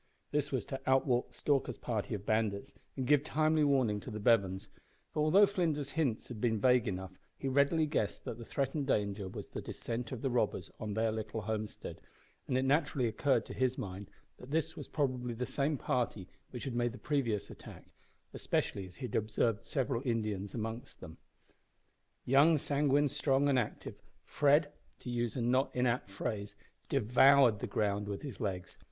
This was to outwalk Stalker's party of bandits and give timely warning to the Bevans; for, although Flinders's hints had been vague enough, he readily guessed that the threatened danger was the descent of the robbers on their little homestead, and it naturally occurred to his mind that this was probably the same party which had made the previous attack, especially as he had observed several Indians among them. Young, sanguine, strong, and active, Fred, to use a not inapt phrase, devoured the ground with his legs!